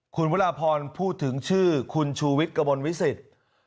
คุณพุระพรพูดถึงชื่อคุณชูวิทย์กระมนวิสิทธิ์